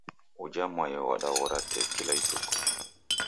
Uja mwai wadaghora tee kila ituku.